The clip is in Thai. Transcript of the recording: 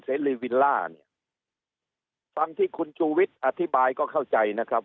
เสรีวิลล่าเนี่ยฟังที่คุณชูวิทย์อธิบายก็เข้าใจนะครับ